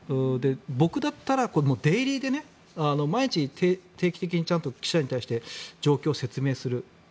僕だったらデイリーで毎日、定期的にちゃんと記者に対して状況を説明する。